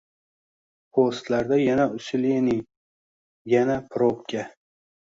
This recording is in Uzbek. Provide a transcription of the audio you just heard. Postlarda Yana "usilenie" Yana "proʙka"